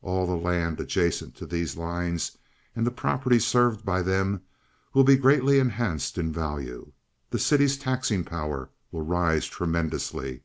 All the land adjacent to these lines, and the property served by them, will be greatly enhanced in value. The city's taxing power will rise tremendously.